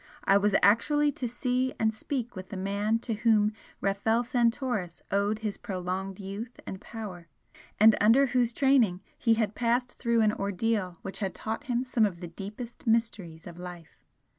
I was actually to see and speak with the man to whom Rafel Santoris owed his prolonged youth and power, and under whose training he had passed through an ordeal which had taught him some of the deepest mysteries of life!